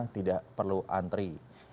tidak perlu antri